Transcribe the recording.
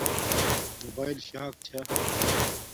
موباݵل شاک چھا